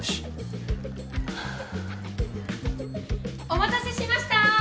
お待たせしましたー！